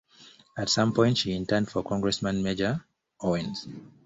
At some point, she interned for Congressman Major Owens.